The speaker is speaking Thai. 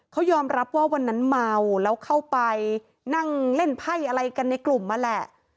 เขายอมรับว่าวันนั้นเมาแล้วเข้าไปนั่งเล่นไพ่อะไรกันในกลุ่มนั่นแหละ